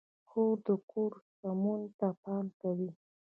خور د کور سمون ته پام کوي.